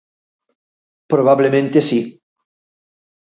Probablemente, si.